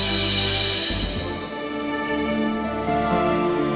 mas aku tak tahu